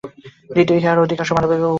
দ্বিতীয়ত ইহা অধিকাংশ মানবের পক্ষে উপযোগী নহে।